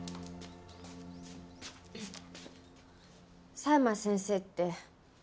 佐山先生って。